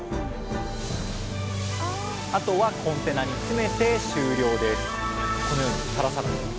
あとはコンテナに詰めて終了です